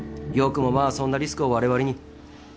よくもまあそんなリスクを我々に。